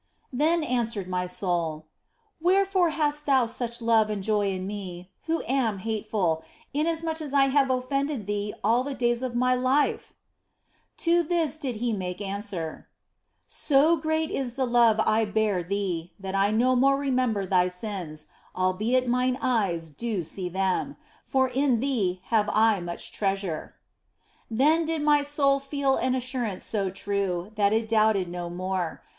Then answered my soul, " Wherefore hast Thou such love and joy in me, who am hateful, inasmuch as I have offended Thee all the days of my life ?" To this did He make answer, " So great is the love I bear thee that I no more remember thy sins, albeit Mine eyes do see them ; for in thee have I much treasure." Then did my soul feel an assurance so true that it doubted no more.